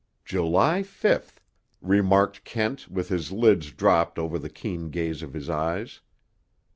"July fifth," remarked Kent with his lids dropped over the keen gaze of his eyes.